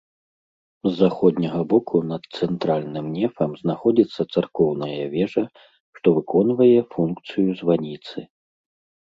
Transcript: З заходняга боку над цэнтральным нефам знаходзіцца царкоўная вежа, што выконвае функцыю званіцы.